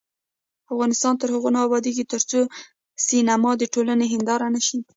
افغانستان تر هغو نه ابادیږي، ترڅو سینما د ټولنې هنداره نشي.